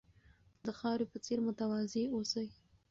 د خاورې په څېر متواضع اوسئ.